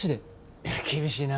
いや厳しいなぁ。